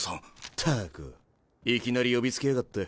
ったくいきなり呼びつけやがって。